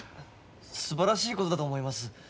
すばらしいことだと思います。